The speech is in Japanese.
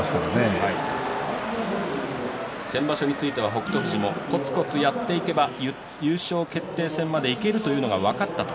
先場所は北勝富士こつこつやっていけば優勝決定戦までいけるということが分かった。